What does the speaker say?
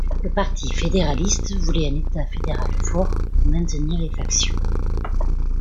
Le Parti fédéraliste voulait un État fédéral fort pour maintenir les factions.